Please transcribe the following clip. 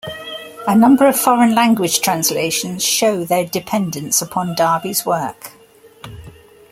A number of foreign language translations show their dependence upon Darby's work.